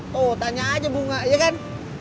tuh tanya aja bunga ya kan